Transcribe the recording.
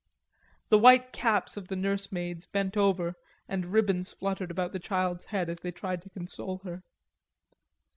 The white caps of the nursemaids bent over and ribbons fluttered about the child's head as they tried to console her.